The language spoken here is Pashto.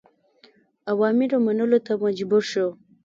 اوامرو منلو ته مجبور شو.